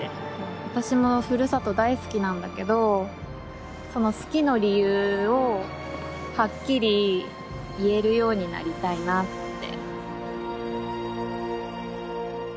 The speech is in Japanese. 私もふるさと大好きなんだけどその好きの理由をはっきり言えるようになりたいなって。